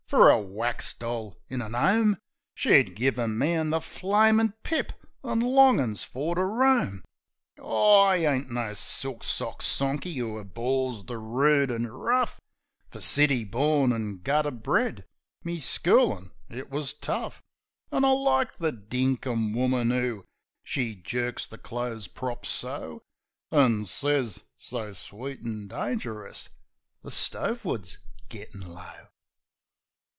Fer a wax doll in a 'ome, She'd give a man the flamin' pip an' longm's fer to roam. Aw, I ain't no silk sock sonkie 'oo ab'ors the rood an' rough ; Fer, city born an' gutter bred, me schoolin' it wus tough. An' I like the dinkum woman 'oo ... (She jerks the clothes prop, so, An' sez, so sweet an' dangerous, "The stove wood's gittin' low."